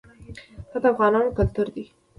دا د افغانانو کلتور دی.